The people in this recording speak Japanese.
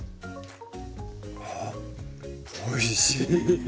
ああおいしい。